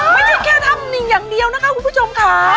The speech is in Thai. ไม่ใช่แค่ทำนิ่งอย่างเดียวนะคะคุณผู้ชมค่ะ